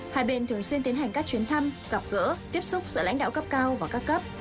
hai bên thường xuyên tiến hành các chuyến thăm gặp gỡ tiếp xúc giữa lãnh đạo cấp cao và các cấp